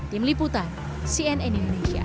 tim liputan cnn indonesia